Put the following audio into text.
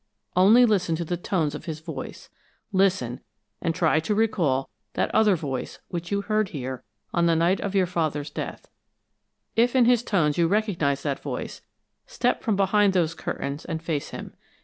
Only listen to the tones of his voice listen and try to recall that other voice which you heard here on the night of your father's death. If in his tones you recognize that voice, step from behind those curtains and face him.